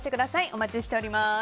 お待ちしております。